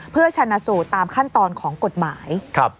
เพื่อชนะสูตรตามขั้นตอนของกฎหมาย